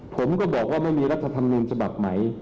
ผมก็บอกว่าไม่มีรัฐธรรมนูญฉบับใหม่